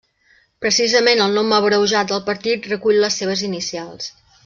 Precisament el nom abreujat del partit recull les seves inicials.